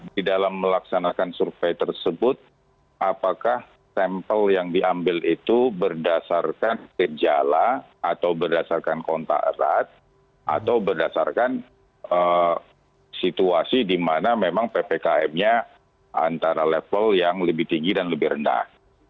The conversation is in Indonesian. di dalam melaksanakan survei tersebut apakah sampel yang diambil itu berdasarkan gejala atau berdasarkan kontak erat atau berdasarkan situasi di mana memang ppkm nya antara level yang lebih tinggi dan lebih rendah